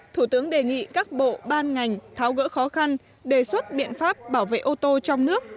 thủ tướng đề nghị các bộ ban ngành tháo gỡ khó khăn đề xuất biện pháp bảo vệ ô tô trong nước